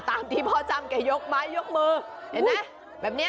ตามที่พ่อจำแกยกไม้ยกมือเห็นไหมแบบนี้